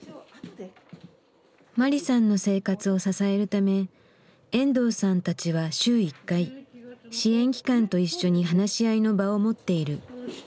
マリさんの生活を支えるため遠藤さんたちは週１回支援機関と一緒に話し合いの場を持っている。